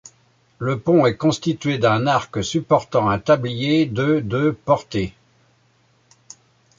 Le pont est constitué d'un arc supportant un tablier de de portée.